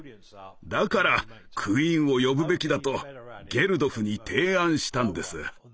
だからクイーンを呼ぶべきだとゲルドフに提案したんです。